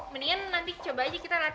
mendingan nanti coba aja kita latihan